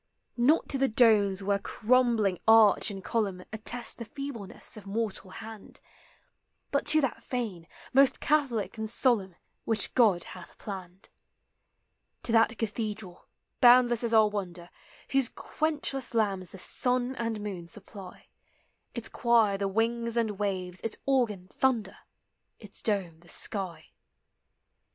Not to the domes where crumbling arch and col umn Attest the feebleness of mortal hand, But to that fane, most catholic and solemn, Which God hath planned; To that cathedral, boundless as our wonder, Whose quenchless lamps the sun and mooi supply ; TREEH: FLOWERS: PLANTS. 243 Its choir the wings and waves, its organ thunder. Its dome the sky.